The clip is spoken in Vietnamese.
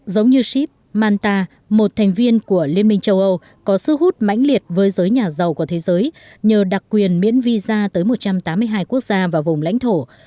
giống như shib manta một thành viên của liên minh châu âu có sức hút mãnh liệt với giới nhà giàu của thế giới nhờ đặc quyền miễn visa tới một trăm tám mươi hai quốc gia và vùng lãnh thổ